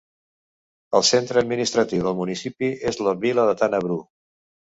El centre administratiu del municipi és la vila de Tana Bru.